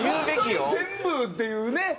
本当に全部っていうね。